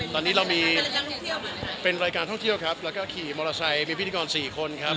ตอนนี้เรามีเป็นรายการท่องเที่ยวครับแล้วก็ขี่มอเตอร์ไซค์มีพิธีกร๔คนครับ